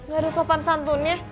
gak ada sopan santunnya